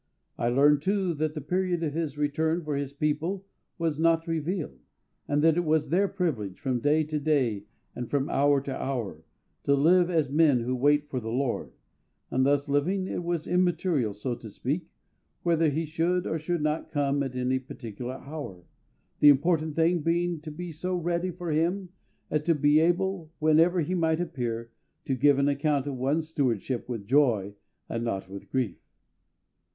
I learned, too, that the period of His return for His people was not revealed, and that it was their privilege, from day to day and from hour to hour, to live as men who wait for the LORD; that thus living it was immaterial, so to speak, whether He should or should not come at any particular hour, the important thing being to be so ready for Him as to be able, whenever He might appear, to give an account of one's stewardship with joy, and not with grief.